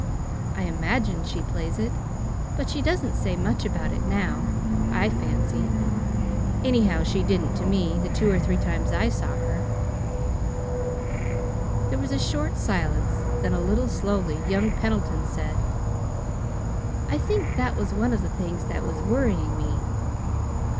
"I imagine she plays it, but she doesn't say much about it now, I fancy. Anyhow, she didn't to me, the two or three times I saw her." There was a short silence; then, a little slowly, young Pendleton said: "I think that was one of the things that was worrying me.